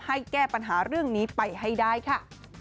ให้แก้ปัญหาเรื่องนี้ไปให้ได้ค่ะ